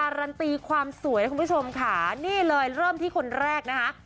ันตีความสวยนะคุณผู้ชมค่ะนี่เลยเริ่มที่คนแรกนะคะ